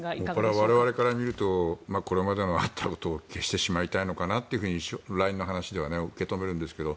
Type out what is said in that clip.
これは我々から見るとこれまであったことを消してしまいたいのかなとＬＩＮＥの話では受け止めるんですが。